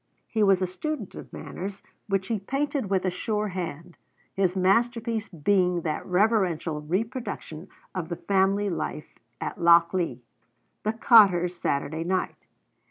He was a student of manners, which he painted with a sure hand, his masterpiece being that reverential reproduction of the family life at Lochlea, 'The Cotter's Saturday Night.'